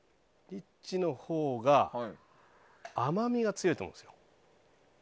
リッチのほうが甘味が強いと思うんですよ。